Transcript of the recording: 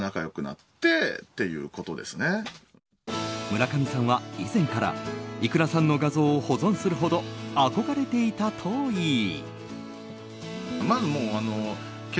村上さんは以前からいくらさんの画像を保存するほど憧れていたといい。